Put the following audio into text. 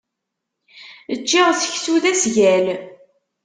Ččiɣ seksu d asgal.